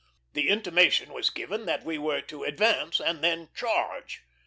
The intimation was given that we were to advance and then charge.